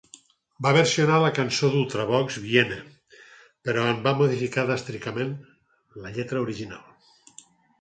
Va versionar la cançó d'Ultravox "Viena", però en va modificar dràsticament la lletra original.